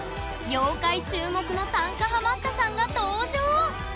業界注目の短歌ハマったさんが登場！